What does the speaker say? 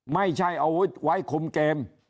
ไม่ใช่เอาไว้คุมเกม